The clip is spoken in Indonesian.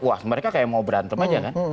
wah mereka kayak mau berantem aja kan